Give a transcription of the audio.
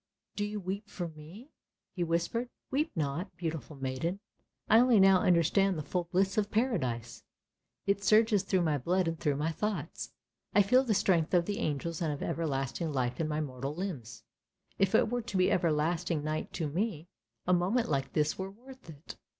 " Do you weep for me? " he whispered. " Weep not, beautiful maiden. I only now understand the full bliss of Paradise; it surges through my blood and through my thoughts. I feel the strength of the angels and of everlasting life in my mortal limbs! If it were to be everlasting night to me, a moment like this were worth it!